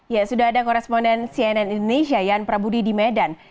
ya sudah ada koresponden cnn indonesia yan prabudi di medan